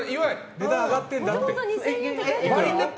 値段上がってるんだって。